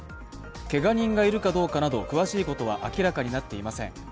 けが人がいるかどうかなど詳しいことは明らかになっていません。